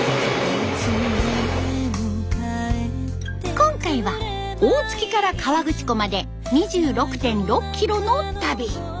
今回は大月から河口湖まで２６．６キロの旅。